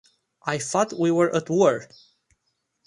I thought we were at war.